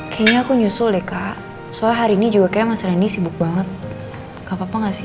kayaknya aku nyusul deh kak soalnya hari ini juga kayaknya mas reni sibuk banget gapapa gak sih